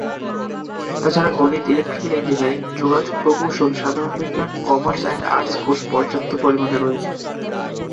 তাছাড়া গণিত, electrical engineering, যোগাযোগ প্রকৌশল, সাধারণ বিজ্ঞান, কমার্স অ্যান্ড আর্টস কোর্স পর্যাপ্ত পরিমাণে রয়েছে।